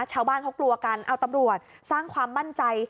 ชาวบ้านเขากลัวกันเอาตำรวจสร้างความมั่นใจ